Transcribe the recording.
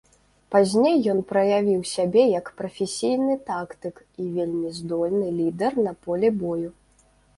Пазней ён праявіў сябе як прафесійны тактык і вельмі здольны лідар на полі бою.